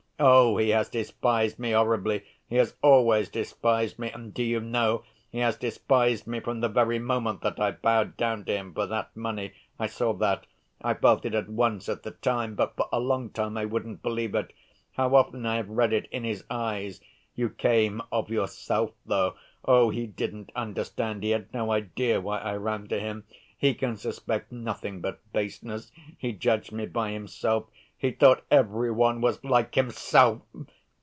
"Oh, he has despised me horribly, he has always despised me, and do you know, he has despised me from the very moment that I bowed down to him for that money. I saw that.... I felt it at once at the time, but for a long time I wouldn't believe it. How often I have read it in his eyes, 'You came of yourself, though.' Oh, he didn't understand, he had no idea why I ran to him, he can suspect nothing but baseness, he judged me by himself, he thought every one was like himself!"